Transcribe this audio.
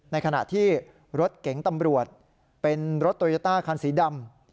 ในขณะที่รถเก๋งตำรวจเป็นรถโตโยต้าคันสีดำ